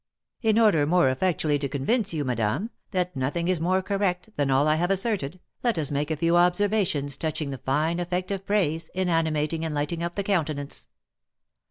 "In order more effectually to convince you, madame, that nothing is more correct than all I have asserted, let us make a few observations touching the fine effect of praise in animating and lighting up the countenance."